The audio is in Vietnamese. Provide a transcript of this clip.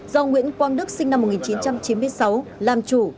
do nguyễn quang đức sinh năm một nghìn chín trăm chín mươi sáu làm chủ